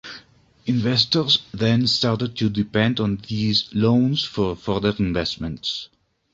Investors then started to depend on these loans for further investments.